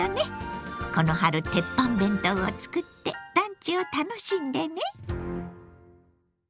この春テッパン弁当を作ってランチを楽しんでね！